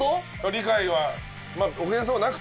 理解は。